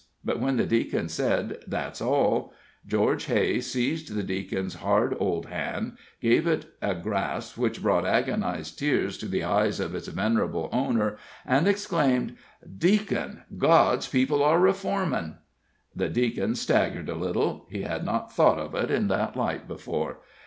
But when the Deacon said "That's all," George Hay seized the Deacon's hard old hand, gave it a grasp which brought agonized tears to the eyes of its venerable owner, and exclaimed: "Deacon, God's people are reformin'!" The Deacon staggered a little he had not thought of it in that light before.